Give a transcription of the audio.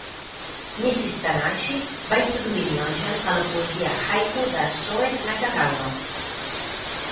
Mrs. Tanahashi va introduir Nyogen a la poesia haiku de Soen Nakagawa.